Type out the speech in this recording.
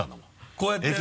こうやってね。